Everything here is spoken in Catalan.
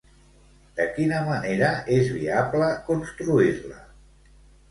De quina manera és viable construir-la?